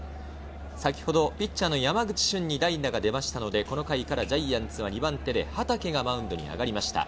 先ほど、ピッチャーの山口俊に代打が出て、この回からジャイアンツは２番手で畠がマウンドに上がりました。